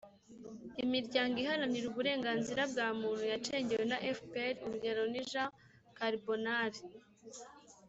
imiryango iharanira uburenganzira bwa muntu yacengewe na fpr (urugero ni jean carbonare)